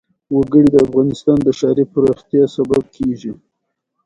وګړي د افغانستان د ښاري پراختیا سبب کېږي.